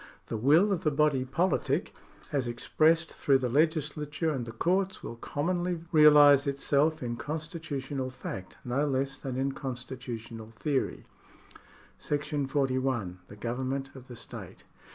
The will of the body politic, as expressed through the legislature and the courts, will commonly reahse itself in constitutional fact no less than in constitutional theory. § 41. The Government of the State.